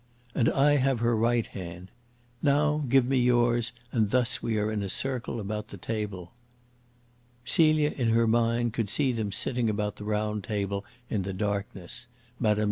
"And I have her right hand. Now give me yours, and thus we are in a circle about the table." Celia, in her mind, could see them sitting about the round table in the darkness, Mme.